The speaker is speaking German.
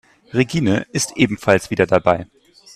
Regine ist ebenfalls wieder dabei.